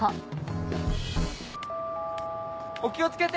お気を付けて！